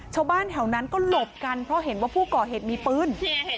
ชาวบ้านแถวนั้นก็หลบกันเพราะเห็นว่าผู้ก่อเหตุมีปืน